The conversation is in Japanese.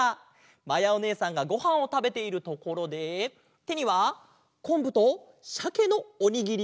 まやおねえさんがごはんをたべているところでてにはこんぶとしゃけのおにぎり！